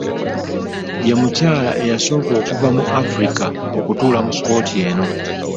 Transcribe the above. Ye mukyala eyasooka okuva mu Africa okutuula mu kkooti eno.